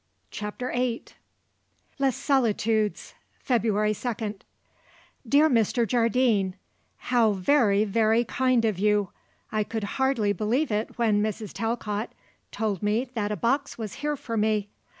CHAPTER VIII "Les Solitudes, "February 2nd. "Dear Mr. Jardine, How very, very kind of you. I could hardly believe it when Mrs. Talcott told me that a box was here for me.